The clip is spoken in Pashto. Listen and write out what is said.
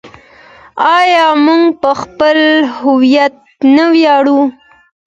آیا موږ په خپل هویت نه ویاړو؟